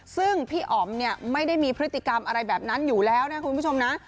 ซึ่งพี่อ๋อมเนี่ยไม่ได้มีพฤติกรรมอะไรแบบนั้นอยู่แล้วนะคุณผู้ชมนะ